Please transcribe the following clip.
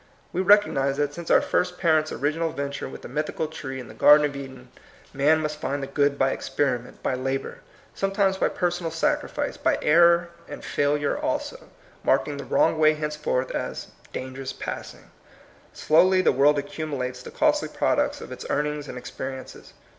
We rec ognize that since our first parents' original venture with the mythical tree in the Gar den of Eden, man must find the good by experiment, by labor, sometimes by per sonal sacrifice, by error and failure also, marking the wrong way henceforth as ^^ dangerous passing." Slowly the world accumulates the costly products of its earn ings and experiences.